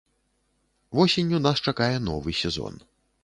Восенню нас чакае новы сезон.